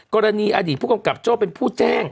กรณีอดีตผู้กำกับโจ้เป็นผู้แจ้ง